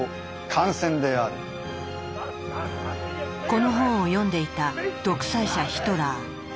この本を読んでいた独裁者ヒトラー。